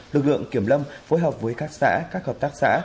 lực lượng kiểm lâm phối hợp với các xã các hợp tác xã